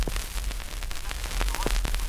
د صلاحيت پرته هيڅ پريکړه نسي عملي کېدای.